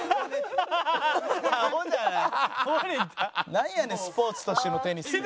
なんやねん「スポーツとしてのテニス」って。